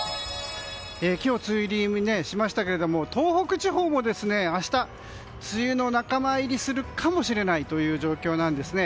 今日、梅雨入りしましたが東北地方も明日梅雨の仲間入りするかもしれないという状況なんですね。